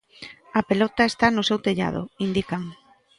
A pelota está no seu tellado, indican.